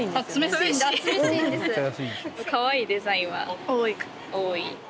かわいいデザインは多い。